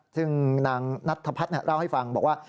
ซึ่งนางนัทธพัฒน์เล่าให้ฟังบอกว่า